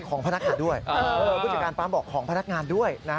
ของพนักงานด้วยผู้จัดการปั๊มบอกของพนักงานด้วย